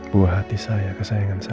buah hati saya kesayangan saya